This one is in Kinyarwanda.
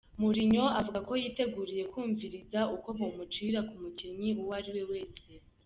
Mourinho avuga ko "yiteguriye kwumviriza ukwo bomucira" ku mukinyi uwariwe wese.